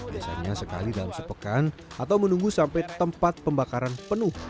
biasanya sekali dalam sepekan atau menunggu sampai tempat pembakaran penuh